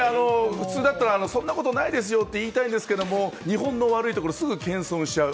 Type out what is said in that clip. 普通だったらそんなことないですよって言いたいところですが日本の悪いところすぐ謙遜しちゃう。